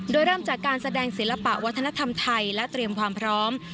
โดยเริ่มจากการแสดงศิลปะวัฒนธรรมไทยและเตรียมความพร้อม